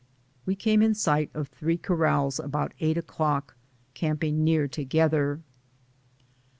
We came in sight of three corrals about eight o'clock, camping near together.